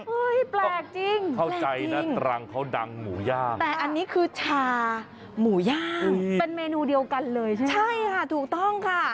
เฮ้ยแปลกจริงแปลกจริงแต่อันนี้คือชาหมูย่างเป็นเมนูเดียวกันเลยใช่ไหมใช่ค่ะถูกต้องค่ะ